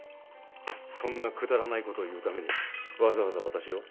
そんなくだらないことを言うためにわざわざ私を？